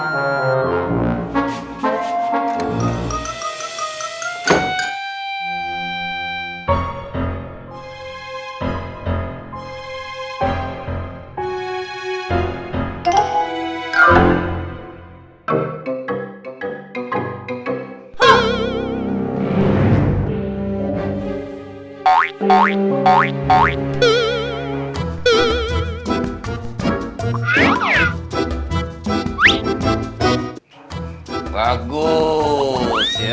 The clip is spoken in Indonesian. diri di sampok